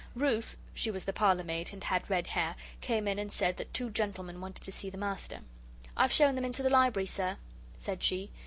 Ruth she was the parlour maid and had red hair came in and said that two gentlemen wanted to see the master. "I've shown them into the Library, Sir," said she.